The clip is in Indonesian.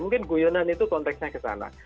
mungkin guyonan itu konteksnya ke sana